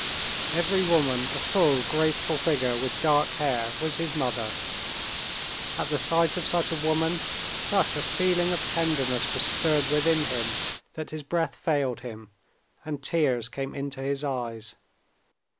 Every woman of full, graceful figure with dark hair was his mother. At the sight of such a woman such a feeling of tenderness was stirred within him that his breath failed him, and tears came into his eyes.